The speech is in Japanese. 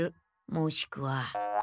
もしくは。